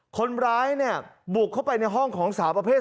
คนร้ายเนี่ยบุกเข้าไปในห้องของสาวประเภท๒